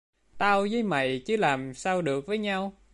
Tao với mày chứ làm sao được với nhau